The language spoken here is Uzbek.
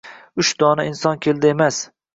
Uch dona inson keldi emas.